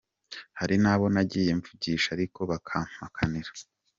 Hari n’abo nagiye mvugisha ariko bakampakanira.